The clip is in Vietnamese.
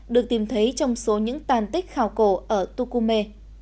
được tìm thấy trong số những tàn tích khảo cổ ở tukume